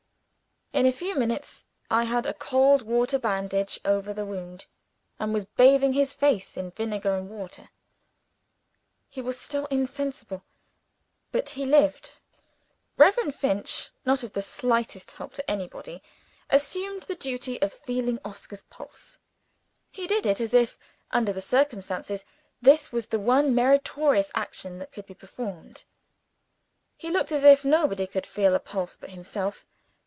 In a few minutes, I had a cold water bandage over the wound, and was bathing his face in vinegar and water. He was still insensible; but he lived. Reverend Finch not of the slightest help to anybody assumed the duty of feeling Oscar's pulse. He did it as if, under the circumstances, this was the one meritorious action that could be performed. He looked as if nobody could feel a pulse but himself.